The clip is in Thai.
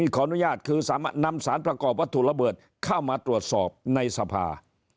ขออนุญาตคือสามารถนำสารประกอบวัตถุระเบิดเข้ามาตรวจสอบในสภา